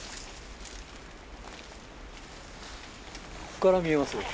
ここから見えますよ。